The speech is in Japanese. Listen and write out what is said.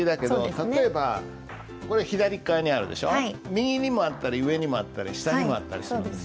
右にもあったり上にもあったり下にもあったりするんです。